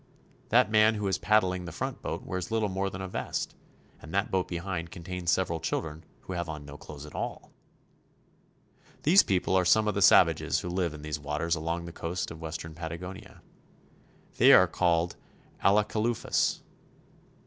That man who is paddling the front boat wears little more than a vest, and that boat behind contains several children who have on no clothes at all. Each has a fire in its center." These people are some of the savages who live in these waters along the coast of western Patagonia. They are called Alacalufes (a la ka loo'fes).